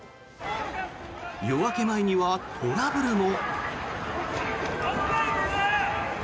夜明け前にはトラブルも。